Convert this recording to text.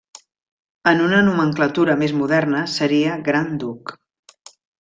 En una nomenclatura més moderna seria Gran Duc.